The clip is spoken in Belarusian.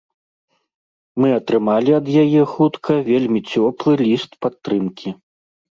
Мы атрымалі ад яе хутка вельмі цёплы ліст падтрымкі.